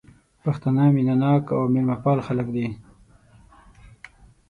پښتانه مينه ناک او ميلمه پال خلک دي